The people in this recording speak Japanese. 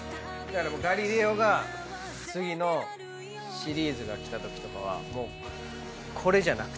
『ガリレオ』が次のシリーズが来たときとかはもうこれじゃなくて。